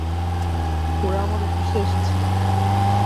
ওরা আমার অফিসে এসেছিল।